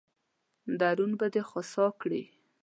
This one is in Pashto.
درون به دې خوسا کړي.